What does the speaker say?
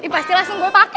pastilah sungguh pake